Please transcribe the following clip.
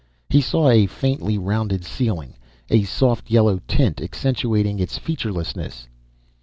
He saw a faintly rounded ceiling, a soft yellow tint accentuating its featurelessness.